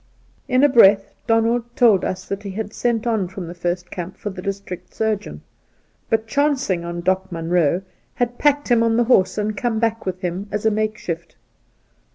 In a breath Donald told us that he had sent on from the first camp for the district surgeon, but, chancing on Doc Monroe, had packed him on the horse and come back with him as a makeshift.